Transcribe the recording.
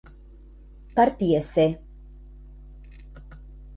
partiese